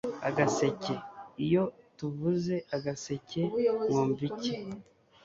agaseke, iyo tuvuze agaseke mwumva iki